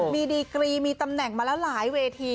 มีดีกรีมีตำแหน่งมาแล้วหลายเวที